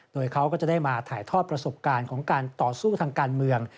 โดยเขาก็จะได้มาถ่ายทอดประสบการณ์ของการต่อสู้ทางการเมือง